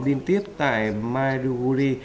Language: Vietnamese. liên tiếp tại maruguri